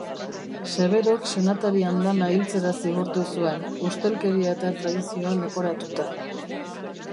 Severok senatari andana hiltzera zigortu zuen, ustelkeria eta traizioa leporatuta.